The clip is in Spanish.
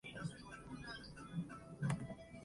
Se casaron en Taormina, Sicilia, lugar de origen del novio.